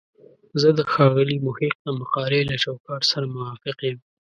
زه د ښاغلي محق د مقالې له چوکاټ سره موافق یم.